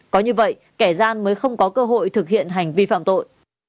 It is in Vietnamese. có như vậy kẻ gian mới không có cơ hội thực hiện hành vi phạm tội